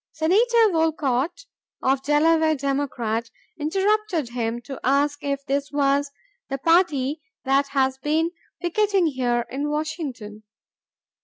Senator Wolcott of Delaware, Democrat, interrupted him to ask if this was "the party that has been picketing here in Washington?"